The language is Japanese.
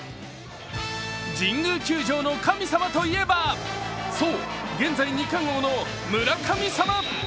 神宮球場の神様といえばそう、現在２冠王の村神様。